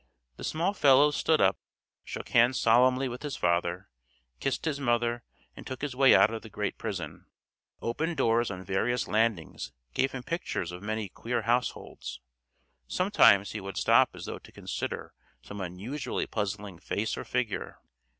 The small fellow stood up, shook hands solemnly with his father, kissed his mother, and took his way out of the great prison. Open doors on various landings gave him pictures of many queer households; sometimes he would stop as though to consider some unusually puzzling face or figure.